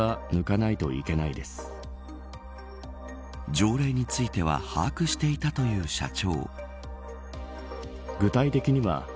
条例については把握していたという社長。